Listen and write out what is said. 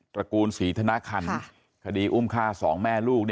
ระกูลศรีธนคันคดีอุ้มฆ่าสองแม่ลูก